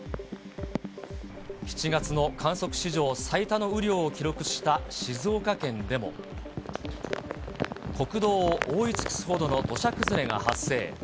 ７月の観測史上最多の雨量を記録した静岡県でも、国道を覆い尽くすほどの土砂崩れが発生。